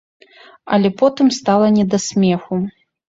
Але потым стала не да смеху.